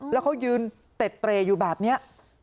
แล้วเขายืนเต็ดเตรอยู่แบบนี้